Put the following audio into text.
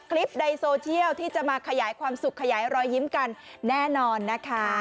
ในโซเชียลที่จะมาขยายความสุขขยายรอยยิ้มกันแน่นอนนะคะ